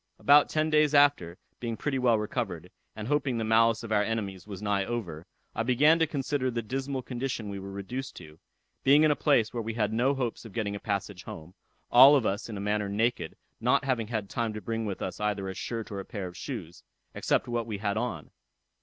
About ten days after, being pretty well recovered, and hoping the malice of our enemies was nigh over, I began to consider the dismal condition we were reduced to; being in a place where we had no hopes of getting a passage home, all of us in a manner naked, not having had time to bring with us either a shirt or a pair of shoes, except what we had on.